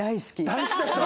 大好きだった。